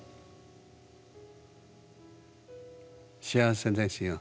幸せですよ。